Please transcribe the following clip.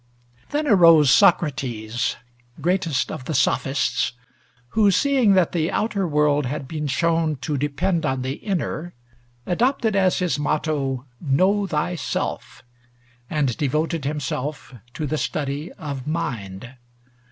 Then arose Socrates, greatest of the Sophists, who, seeing that the outer world had been shown to depend on the inner, adopted as his motto, "Know Thyself," and devoted himself to the study of mind.